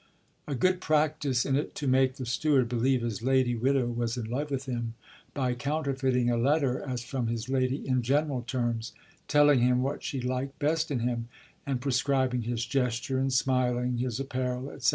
A good practise in it to make the steward beleive his lady widowe was in love with him, by counterfayting a letter as from his lady in general termes, telling him what she liked best in him, and prescribing his gesture in smiling, his apparaile, &c.